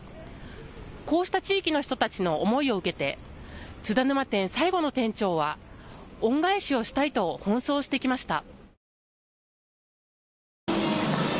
こうした地域の人たちの思いを受けて津田沼店、最後の店長は恩返しをしたいと奔走してきました。